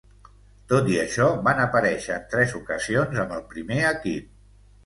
Tot i això, va aparèixer en tres ocasions amb el primer equip.